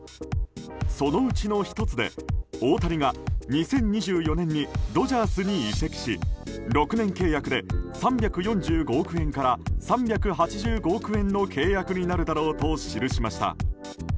そのうちの１つで大谷が２０２４年にドジャースに移籍し６年契約で３４５億円から３８５億円の契約になるだろうと記しました。